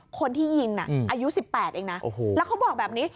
คนที่ยิงน่ะอายุ๑๘เองนะแล้วเขาบอกแบบนี้